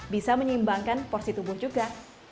bisa menyeimbangkan porsi tubuh juga